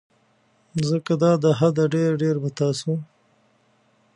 ځکه دا د حده ډیر ډیر به تاسو